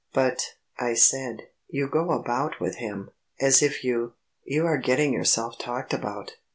"But," I said, "you go about with him, as if you.... You are getting yourself talked about....